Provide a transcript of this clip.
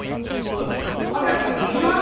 どうぞ明石いきまーす！